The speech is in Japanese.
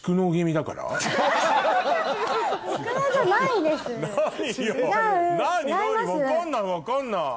分かんない分かんない。